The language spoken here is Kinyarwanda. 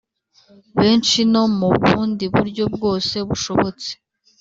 benshi no mu bundi buryo bwose bushobotse